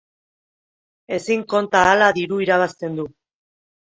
Ezin konta ahala diru irabazten du.